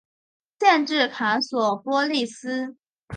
县治卡索波利斯。